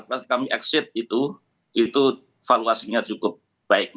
pasti kami exit itu itu valuasinya cukup baik